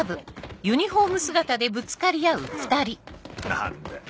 何だよ